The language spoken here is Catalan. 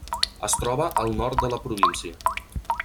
Es troba al nord de la província.